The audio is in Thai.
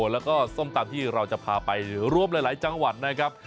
แล้วก็ส้มตำที่เราจะพาไปรวมหลายจังหวัดนะครับ